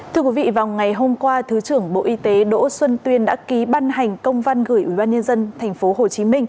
thưa quý vị vào ngày hôm qua thứ trưởng bộ y tế đỗ xuân tuyên đã ký ban hành công văn gửi ubnd tp hcm